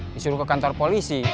disuruh ke kantor polisi